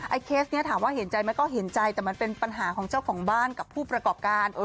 เคสนี้ถามว่าเห็นใจไหมก็เห็นใจแต่มันเป็นปัญหาของเจ้าของบ้านกับผู้ประกอบการ